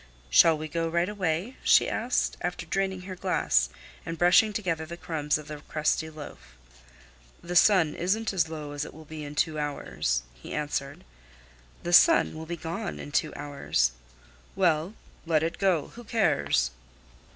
"Shall we go right away?" she asked, after draining her glass and brushing together the crumbs of the crusty loaf. "The sun isn't as low as it will be in two hours," he answered. "The sun will be gone in two hours." "Well, let it go; who cares!"